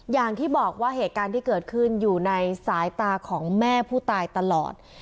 อย่างที่บอกว่าเหตุการณ์ที่เกิดขึ้นอยู่ในสายตาของแม่ผู้ตายตลอด